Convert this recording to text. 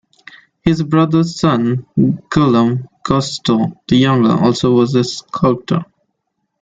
His brother's son, Guillaume Coustou the Younger, also was a sculptor.